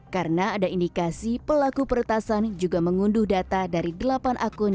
karena ada indikasi pelaku peretasan juga mengunduh data dari delapan akun